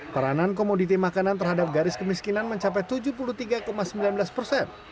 peranan komoditi makanan terhadap garis kemiskinan mencapai tujuh puluh tiga sembilan belas persen